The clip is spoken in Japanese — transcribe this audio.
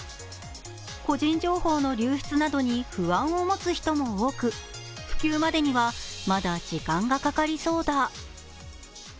個人情報の流出などに不安を持つ人も多く普及までにはまだ時間がかかりそうだ。